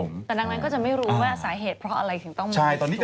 แต่ดังนั้นก็จะไม่รู้ใต้สาเหตุเพราะอะไรถึงต้องมีคุณแน็ตขนาดนี้ใช่ไหมครับ